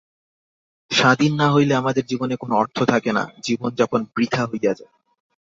স্বাধীন না হইলে আমাদের জীবনে কোন অর্থ থাকে না, জীবনযাপন বৃথা হইয়া যায়।